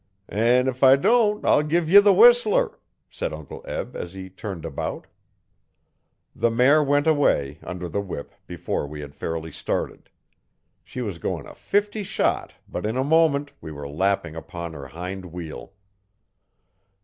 'An' if I don't I'll give ye the whistler,' said Uncle Eb as he turned about. The mare went away, under the whip, before we had fairly started. She was going a fifty shot but in a moment we were lapping upon her hind wheel.